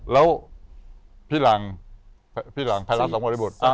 แล้วพี่หลังพี่หลังภายละสองบริบุตร